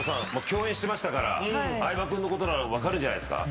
共演してましたから相葉君のことなら分かるんじゃないですか？